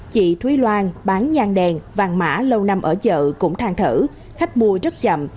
chị thúy loan bán nhang đèn vàng mã lâu năm ở chợ cũng thang thở khách mua rất chậm